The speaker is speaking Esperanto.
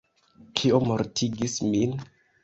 Kio mortigis min?